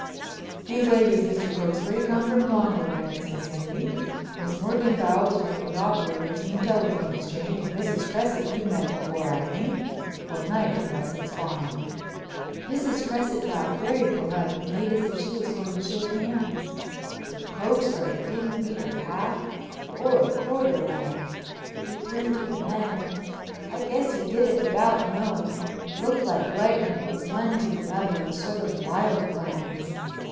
"These ladies, Mr. Cokesbury, come from Longwood and its vicinity. Miss Morganthau is one of the operators in the Telephone Exchange, and Mrs. Cresset you've met before, I think, one night at Cresset's Farm." Mrs. Cresset bowed very polite and made as if she was going to shake hands. But Cokesbury didn't meet her half or a quarter way. He turned to the men and—I guess he did it without knowing—looked like lightning from one to the other—a sort of wild glance.